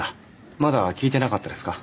まだ聞いてなかったですか？